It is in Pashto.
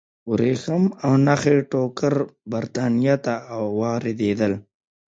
ورېښم او نخي ټوکر برېټانیا ته واردېدل.